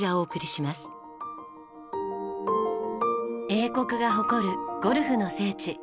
英国が誇るゴルフの聖地